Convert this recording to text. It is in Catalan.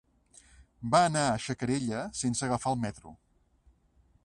Va anar a Xacarella sense agafar el metro.